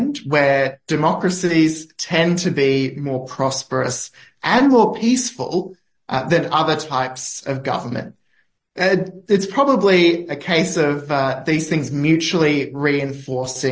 dan institusi institusi ini